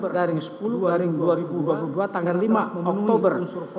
daring sepuluh daring dua ribu dua puluh dua tanggal lima oktober dua ribu dua puluh dua